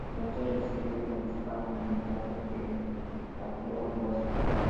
Entonces, recibió un disparo en un brazo que le fracturó un hueso.